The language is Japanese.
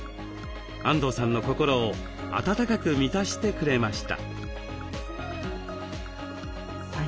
安藤さんの心を温かく満たしてくれました。